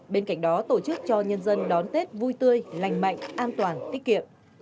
bên cạnh đó tổ chức cho nhân dân đón tết vui tươi lành mạnh an toàn tiết kiệm